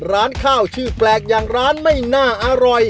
ร้านข้าวชื่อแปลกอย่างร้านไม่น่าอร่อย